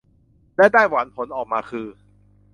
และไต้หวันผลออกมาคือ